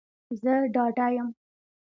زه ډاډه یم